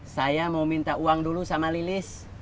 saya mau minta uang dulu sama lilis